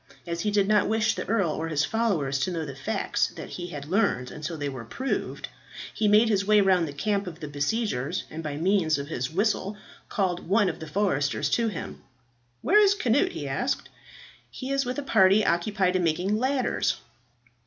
As he did not wish the earl or his followers to know the facts that he had learned until they were proved, he made his way round the camp of the besiegers, and by means of his whistle called one of the foresters to him. "Where is Cnut?" he asked. "He is with a party occupied in making ladders."